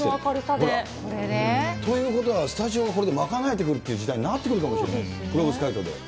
これで？ということはスタジオはこれで賄えてくるという時代になってくるかもしれませんよ、ペロブスカイトで。